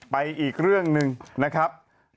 อีกเรื่องหนึ่งนะครับ